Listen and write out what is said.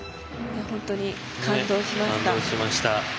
本当に感動しました。